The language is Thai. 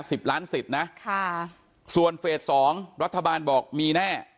สิบล้านสิทธิ์นะค่ะส่วนเฟสสองรัฐบาลบอกมีแน่